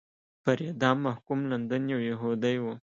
پر اعدام محکوم لندن یو یهودی و.